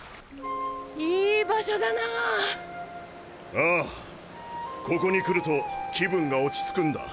ああここに来ると気分が落ち着くんだ。